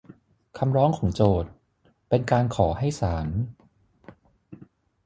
คำร้องของโจทก์ เป็นการขอให้ศาล